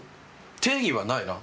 定義はないな。